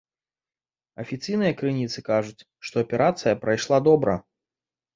Афіцыйныя крыніцы кажуць, што аперацыя прайшла добра.